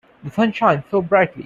The sun shines so brightly.